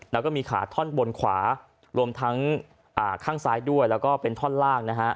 แล้วก็มีขาท่อนบนขวารวมทั้งข้างซ้ายด้วยแล้วก็เป็นท่อนล่างนะฮะ